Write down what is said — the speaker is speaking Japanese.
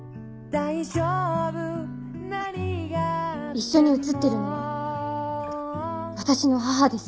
一緒に写ってるのは私の母です。